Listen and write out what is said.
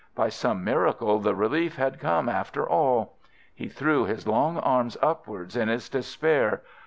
By some miracle the relief had come after all. He threw his long arms upwards in his despair.